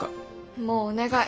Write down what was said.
もうお願い